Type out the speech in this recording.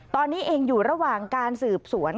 ตอนนี้เองอยู่ระหว่างการสืบสวน